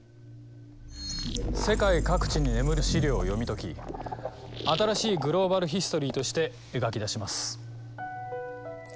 世界各地に眠る史料を読み解き新しいグローバル・ヒストリーとして描き出します。